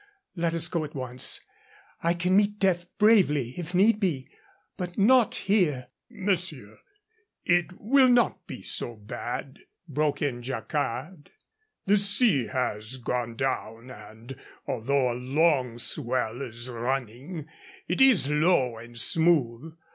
Let us go at once. I can meet death bravely if need be, but not here." "Monsieur, it will not be so bad," broke in Jacquard. "The sea has gone down, and, although a long swell is running, it is low and smooth.